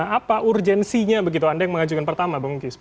apa urgensinya begitu anda yang mengajukan pertama bang gis